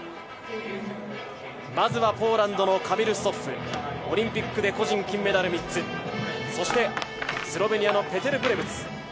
まずはポーランドのカミル・ストッフ、オリンピックで個人金メダル３つ、そして、スロベニアのペテル・プレブツ。